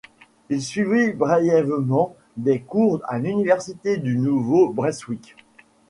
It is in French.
Il suivit brièvement des cours à l'université du Nouveau-Brunswick.